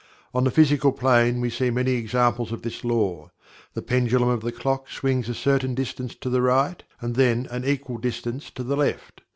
On the Physical Plane we see many examples of this Law. The pendulum of the clock swings a certain distance to the right, and then an equal distance to the left.